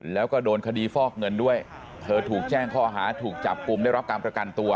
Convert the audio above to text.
แล้วก็โดนคดีฟอกเงินด้วยเธอถูกแจ้งข้อหาถูกจับกลุ่มได้รับการประกันตัว